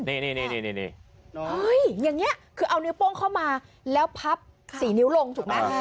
นี่อย่างนี้คือเอานิ้วโป้งเข้ามาแล้วพับ๔นิ้วลงถูกไหม